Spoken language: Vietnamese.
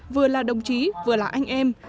vừa là đồng chí vừa là anh em